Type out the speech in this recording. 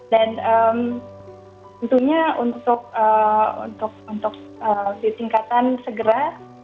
dan tentunya untuk tingkatan segera